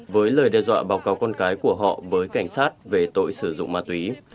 với lời đe dọa báo cáo con cái của họ với cảnh sát về tội sử dụng ma túy